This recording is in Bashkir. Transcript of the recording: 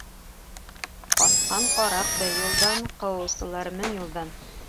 Ҡасҡан ҡараҡ бер юлдан, ҡыуыусылар мең юлдан.